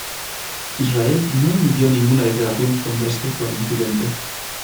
Israel no emitió ninguna declaración con respecto al incidente.